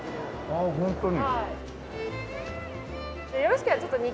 あっホントに。